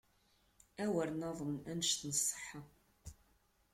Awer naḍen, annect nṣeḥḥa!